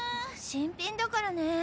新品だからね。